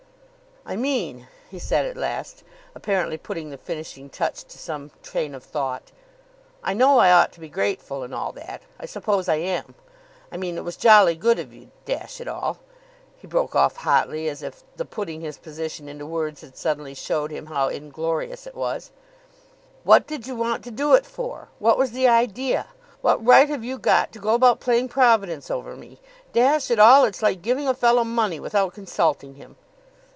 "I mean," he said at last, apparently putting the finishing touch to some train of thought, "I know I ought to be grateful, and all that. I suppose I am. I mean it was jolly good of you Dash it all," he broke off hotly, as if the putting his position into words had suddenly showed him how inglorious it was, "what did you want to do if for? What was the idea? What right have you got to go about playing Providence over me? Dash it all, it's like giving a fellow money without consulting him."